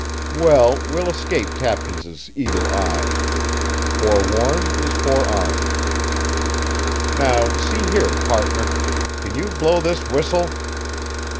"Well, we'll escape Tapkins's eagle eye. Forewarned is forearmed. Now see here, partner, can you blow this whistle?"